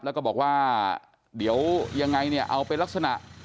แล้วก็บอกว่าเดี๋ยวยังไงเนี่ยเอาเป็นลักษณะ